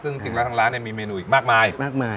ซึ่งจริงแล้วทางร้านมีเมนูอีกมากมายมากมาย